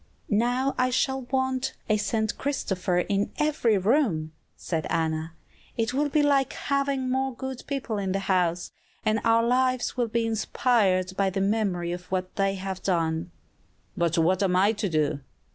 "Now I shall want a 'St. Christopher' in every room," said Anna; "it will be like having more good people in the house, and our lives will be inspired by the memory of what they have done." "But what am I to do?"